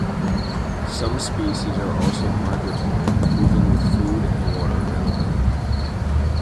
Some species are also migratory, moving with food and water availability.